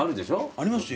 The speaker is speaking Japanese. ありますよ。